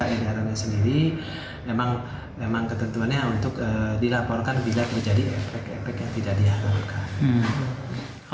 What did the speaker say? edarannya sendiri memang ketentuannya untuk dilaporkan bila terjadi efek efek yang tidak diharapkan